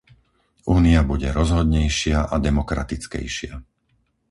Únia bude rozhodnejšia a demokratickejšia.